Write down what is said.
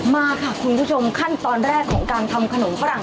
มาค่ะคุณผู้ชมขั้นตอนแรกของการทำขนมฝรั่ง